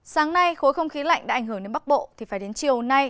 sáng nay khối không khí lạnh đã ảnh hưởng đến bắc bộ thì phải đến chiều nay